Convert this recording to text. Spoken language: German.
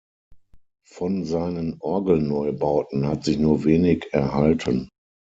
Von seinen Orgelneubauten hat sich nur wenig erhalten.